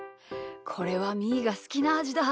これはみーがすきなあじだ！